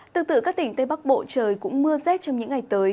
tương tự các tỉnh tây bắc bộ trời cũng mưa rét trong những ngày tới